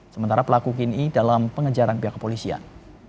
sementara pelaku kini dalam pengejaran pihak kepolisian